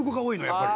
やっぱり。